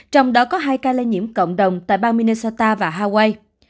trong đó có hai ca lây nhiễm cộng đồng tại bang minusta và hawaii